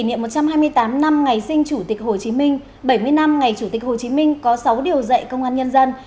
kỷ niệm một trăm hai mươi tám năm ngày sinh chủ tịch hồ chí minh bảy mươi năm ngày chủ tịch hồ chí minh có sáu điều dạy công an nhân dân